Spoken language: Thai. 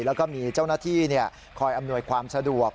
แล้วก็มีเจ้าหน้าที่คอยอำนวยความสะดวก